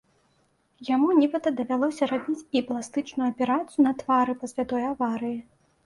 Яму нібыта давялося рабіць і пластычную аперацыю на твары пасля той аварыі.